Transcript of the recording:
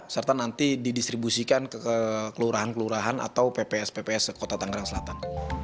serta nanti didistribusikan ke kelurahan kota tangerang selatan